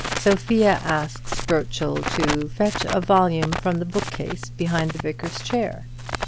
Sophia asks Burchell to fetch a volume from the bookcase behind the Vicar's chair.